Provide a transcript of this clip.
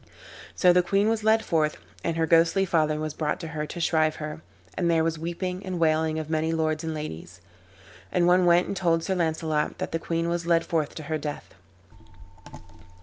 So the queen was led forth, and her ghostly father was brought to her to shrive her, and there was weeping and wailing of many lords and ladies. And one went and told Sir Launcelot that the queen was led forth to her death.